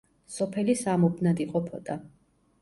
სოფელი სამ უბნად იყოფოდა.